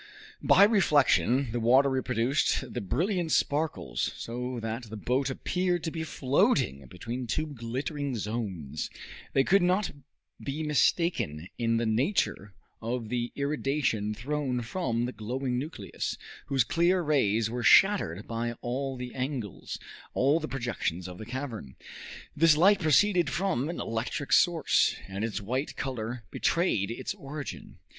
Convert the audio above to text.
By reflection the water reproduced the brilliant sparkles, so that the boat appeared to be floating between two glittering zones. They could not be mistaken in the nature of the irradiation thrown from the glowing nucleus, whose clear rays were shattered by all the angles, all the projections of the cavern. This light proceeded from an electric source, and its white color betrayed its origin.